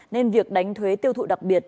nên việc đánh thuế tiêu thụ đặc biệt